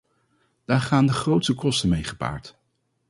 Daar gaan de grootste kosten mee gepaard.